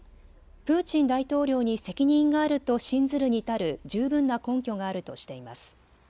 プーチン大統領に責任があると信ずるに足る十分な根拠があるとしています。